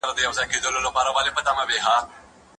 حیات الله د کړکۍ شیشه په خپل لاس پاکه کړه.